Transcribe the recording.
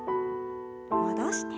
戻して。